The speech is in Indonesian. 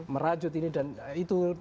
merajut ini dan itu